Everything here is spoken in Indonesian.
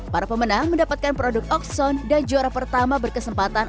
para pemenang mendapatkan produk okson dan juara pertama berkesempatan